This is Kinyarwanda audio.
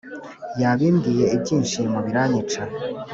yabimbwiye ibyishimo biranyica